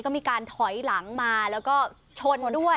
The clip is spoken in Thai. ก็มีการถอยหลังมาแล้วก็ชนมาด้วย